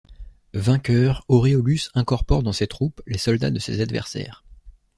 Vainqueur, Auréolus incorpore dans ses troupes les soldats de ses adversaires.